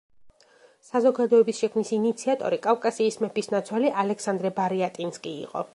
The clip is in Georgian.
საზოგადოების შექმნის ინიციატორი კავკასიის მეფისნაცვალი ალექსანდრე ბარიატინსკი იყო.